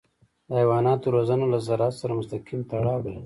د حیواناتو روزنه له زراعت سره مستقیم تړاو لري.